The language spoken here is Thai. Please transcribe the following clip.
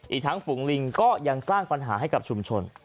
อีกทั้งฝูงลิงก็ยังสร้างปัญหาให้กับชุมชน